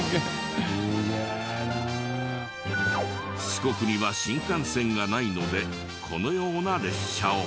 四国には新幹線がないのでこのような列車を。